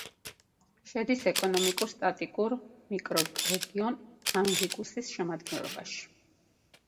შედის ეკონომიკურ-სტატისტიკურ მიკრორეგიონ ანჟიკუსის შემადგენლობაში.